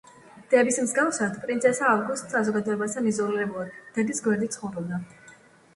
დების მსგავსად, პრინცესა ავგუსტაც საზოგადოებისაგან იზოლირებულად, დედის გვერდით ცხოვრობდა.